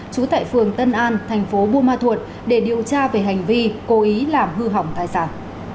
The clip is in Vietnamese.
chú tại phường tân an tp buôn ma thuột để điều tra về hành vi cố ý làm hư hỏng thải sản